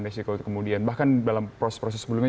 resiko itu kemudian bahkan dalam proses proses sebelumnya